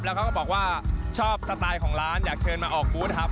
แล้วเขาก็บอกว่าชอบสไตล์ของร้านอยากเชิญมาออกบูธครับ